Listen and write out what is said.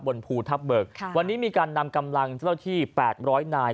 บนภูทัพเบิกค่ะวันนี้มีการนำกำลังเท่าที่แปดร้อยนาย